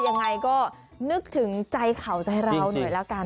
ยังไงก็นึกถึงใจเข่าใจเราหน่อยแล้วกัน